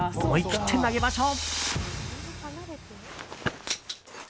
思い切って投げましょう！